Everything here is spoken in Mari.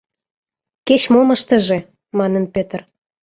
— Кеч-мом ыштыже!.. — манын Пӧтыр.